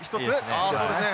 あそうですね。